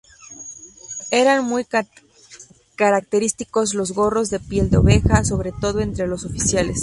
Eran muy característicos los gorros de piel de oveja, sobre todo entre los oficiales.